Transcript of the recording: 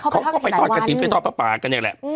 เขาไปทอดกระถิ่นเต้นทอดปลากันอย่างนี้แหละ